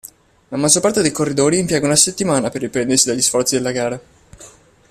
La maggior parte dei corridori impiega una settimana per riprendersi dagli sforzi della gara.